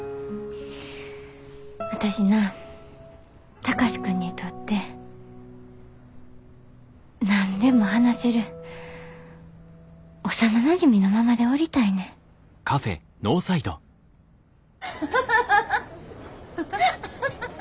私な貴司君にとって何でも話せる幼なじみのままでおりたいねん。アハハハハハハ！